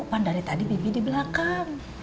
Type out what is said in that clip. pan dari tadi bebi di belakang